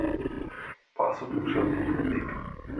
Пасу покшел тумыж дек